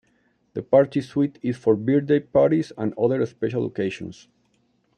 The party suite is for birthday parties and other special occasions.